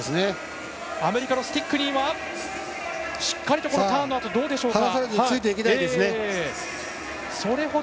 アメリカのスティックニーはターンのあとどうでしょうか。